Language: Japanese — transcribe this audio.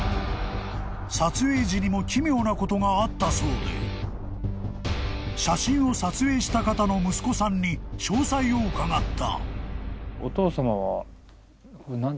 ［撮影時にも奇妙なことがあったそうで写真を撮影した方の息子さんに詳細を伺った］